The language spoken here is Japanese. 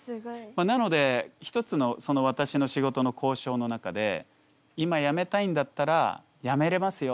なので一つの私の仕事の交渉の中で今やめたいんだったらやめれますよ